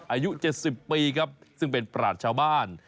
อายุ๗๐ปีครับซึ่งเป็นปราศชาวบ้าน